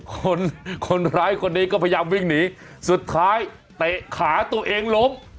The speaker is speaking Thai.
คนร้ายคนนี้ก็พยายามวิ่งหนีสุดท้ายเตะขาตัวเองล้ม